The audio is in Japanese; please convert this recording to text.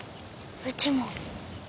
うちも。